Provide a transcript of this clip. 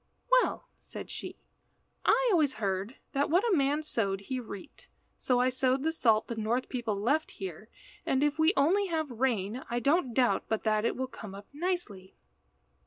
"Well," said she, "I always heard that what a man sowed he reaped, so I sowed the salt the North people left here, and if we only have rain I don't doubt but that it will come up nicely."